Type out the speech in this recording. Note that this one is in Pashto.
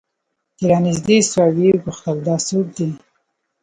چې رانژدې سوه ويې پوښتل دا څوك دى؟